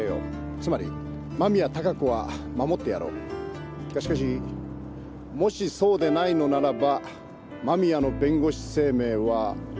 つまり間宮貴子は守ってやろう。がしかしもしそうでないのならば間宮の弁護士生命は。